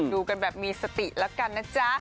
ดูกันแบบมีสติแล้วกันนะจ๊ะ